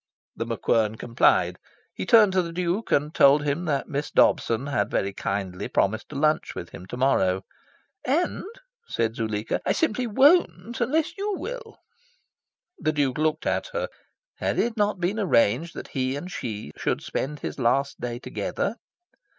The MacQuern complied. He turned to the Duke and told him that Miss Dobson had very kindly promised to lunch with him to morrow. "And," said Zuleika, "I simply WON'T unless you will." The Duke looked at her. Had it not been arranged that he and she should spend his last day together?